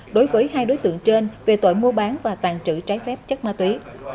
đối với hai đối tượng trên về tội mua bán và tàn trữ trái phép chất ma túy